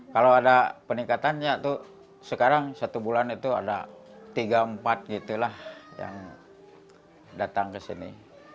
kalau ada peningkatannya tuh sekarang satu bulan itu ada tiga empat gitu lah yang datang ke sini